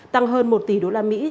tăng hơn một tỷ đô la mỹ